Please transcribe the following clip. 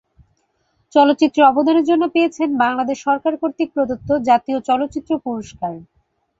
চলচ্চিত্রে অবদানের জন্য পেয়েছেন বাংলাদেশ সরকার কর্তৃক প্রদত্ত জাতীয় চলচ্চিত্র পুরস্কার।